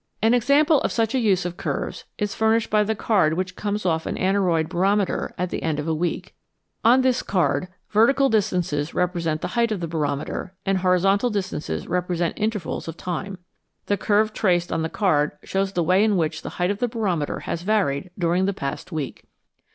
An example of such a use of curves is furnished by the card which comes off an aneroid barometer at the end of a week. On this card vertical distances represent the height of 1OO/.A /ooZA FlG. la. Can\ position. FIG. 16. the barometer, and horizontal distances represent intervals of time. The curve traced on the card shows the way in which the height of the barometer has varied during the past week.